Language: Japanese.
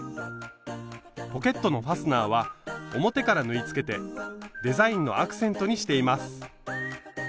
ポケットのファスナーは表から縫いつけてデザインのアクセントにしています。